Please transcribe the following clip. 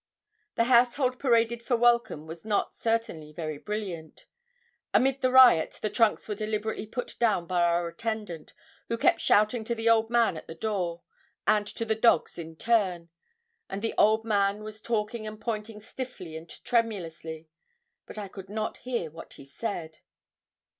The household paraded for welcome was not certainly very brilliant. Amid the riot the trunks were deliberately put down by our attendant, who kept shouting to the old man at the door, and to the dogs in turn; and the old man was talking and pointing stiffly and tremulously, but I could not hear what he said.